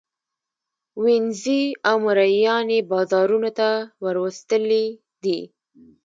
وینزې او مرییان یې بازارانو ته وروستلي دي.